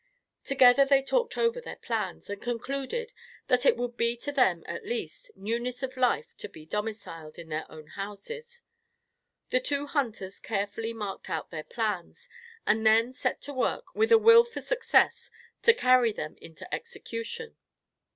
Together they talked over their plans, and concluded that it would be to them, at least, newness of life to be domiciled in their own houses. The two hunters carefully marked out their plans, and then set to work with a will for success to carry them into execution.